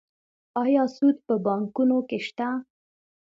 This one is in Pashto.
آیا سود په بانکونو کې شته؟